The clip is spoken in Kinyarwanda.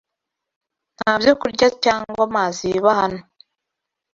Nta byokurya cyangwa amazi biba hano